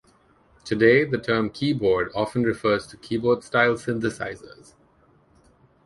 Today, the term "keyboard" often refers to keyboard-style synthesizers.